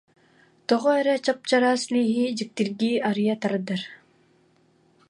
Тоҕо эрэ чап-чараас лииһи дьиктиргии арыйа тардар